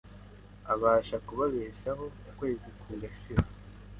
abasha kubabeshaho ukwezi kugashira